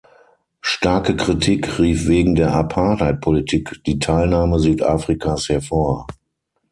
Starke Kritik rief wegen der Apartheid-Politik die Teilnahme Südafrikas hervor.